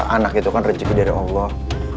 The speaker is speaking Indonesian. anak itu kan rezeki dari allah